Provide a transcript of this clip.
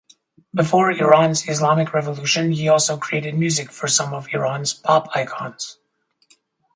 Before Iran's Islamic Revolution, he also created music for some of Iran's pop icons.